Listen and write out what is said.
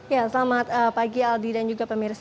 ya selamat pagi aldi dan juga pemirsa